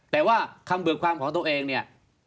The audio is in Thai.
แต่ว่าคำเบิกความของตัวเองเนี่ย